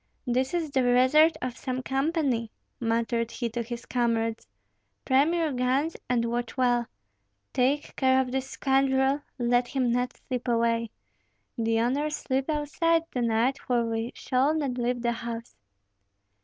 "This is the resort of some company," muttered he to his comrades. "Prime your guns and watch well. Take care of this scoundrel, let him not slip away. The owners sleep outside to night, for we shall not leave the house."